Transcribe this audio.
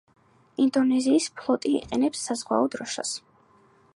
ინდონეზიის ფლოტი იყენებს საზღვაო დროშას.